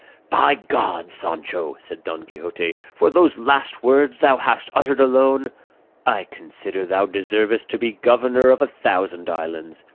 "By God, Sancho," said Don Quixote, "for those last words thou hast uttered alone, I consider thou deservest to be governor of a thousand islands.